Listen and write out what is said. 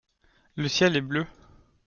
Le ciel est bleu.